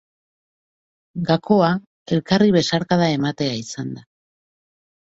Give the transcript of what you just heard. Gakoa, elkarri besarkada ematea izan da.